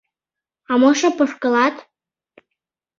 — А мо шып ошкылат?